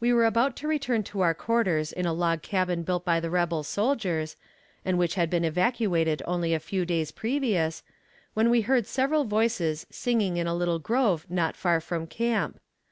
We were about to return to our quarters in a log cabin built by the rebel soldiers, and which had been evacuated only a few days previous, when we heard several voices singing in a little grove not far from camp.